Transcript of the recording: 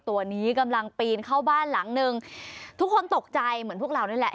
ตัวนี้กำลังปีนเข้าบ้านหลังหนึ่งทุกคนตกใจเหมือนพวกเรานี่แหละ